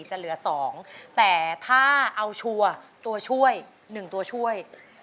จะเหลือ๒แต่ถ้าเอาชัวร์ตัวช่วย๑ตัวช่วย